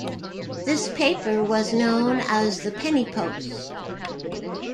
This paper was known as the Penny Post.